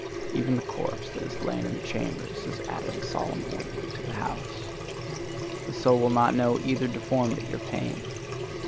Even the corpse that has lain in the chambers has added a solemn ornament to the house. The soul will not know either deformity or pain.